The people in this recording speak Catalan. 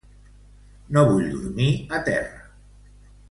No vull dormir a terra.